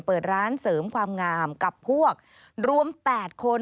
เปิดร้านเสริมความงามกับพวกรวม๘คน